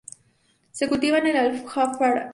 Se cultiva en el Aljarafe.